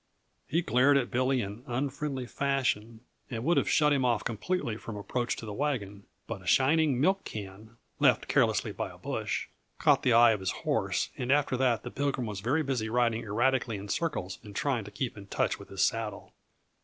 He glared at Billy in unfriendly fashion and would have shut him off completely from approach to the wagon; but a shining milk can, left carelessly by a bush, caught the eye of his horse, and after that the Pilgrim was very busy riding erratically in circles and trying to keep in touch with his saddle.